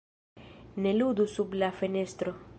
Ne ludu sub la fenestro!